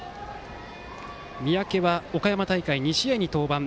三宅は岡山大会２試合に登板。